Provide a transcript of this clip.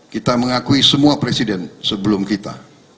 kita mengakui semua presiden sebelum kita